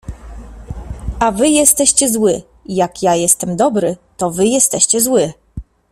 A wy jesteście zły! jak ja jestem dobry, to wy jestescie zły!